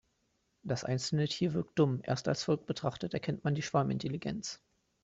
Das einzelne Tier wirkt dumm, erst als Volk betrachtet erkennt man die Schwarmintelligenz.